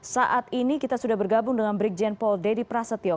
saat ini kita sudah bergabung dengan brigjen paul deddy prasetyo